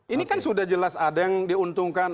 ini kan sudah jelas ada yang diuntungkan